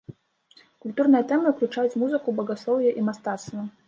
Культурныя тэмы ўключаюць музыку, багаслоўе і мастацтва.